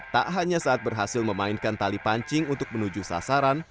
tak hanya saat berhasil memainkan tali pancing untuk menuju sasaran